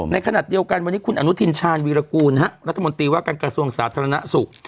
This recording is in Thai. ในขณะเดียวกันวันนี้คุณอนุทินชาญวีรกูลรัฐมนตรีว่าการกระทรวงสาธารณสุข